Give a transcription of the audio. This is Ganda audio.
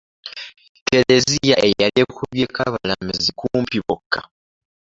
Keleziya eyali ekubyeko abalamazi kumpi bokka.